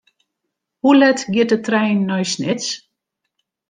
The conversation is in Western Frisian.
Hoe let giet de trein nei Snits?